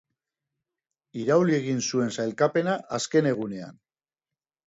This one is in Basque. Irauli egin zuen sailkapena azken egunean.